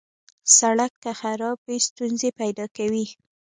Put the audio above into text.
سړک که خراب وي، ستونزې پیدا کوي.